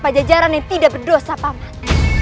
pajajaran yang tidak berdosa pamah